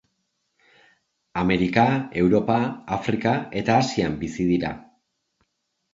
Amerika, Europa, Afrika eta Asian bizi dira.